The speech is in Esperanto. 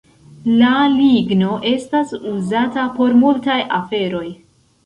La ligno estas uzata por multaj aferoj.